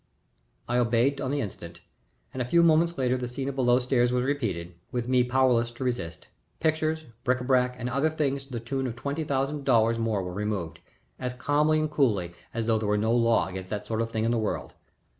I obeyed on the instant and a few moments later the scene of below stairs was repeated, with me powerless to resist. Pictures, bric à brac, and other things to the tune of twenty thousand dollars more were removed, as calmly and as coolly as though there were no law against that sort of thing in the world.